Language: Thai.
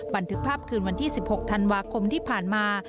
บันทึกภาพคืนวันที่๑๖ธันวาคมที่ผ่านมา